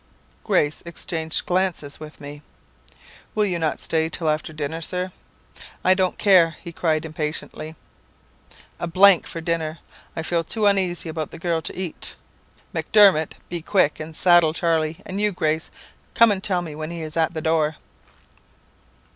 "Grace exchanged glances with me. "'Will you not stay till after dinner, Sir?' "'I don't care,' he cried impatiently, 'a for dinner. I feel too uneasy about the girl to eat. Macdermot, be quick and saddle Charley; and you, Grace, come and tell me when he is at the door.'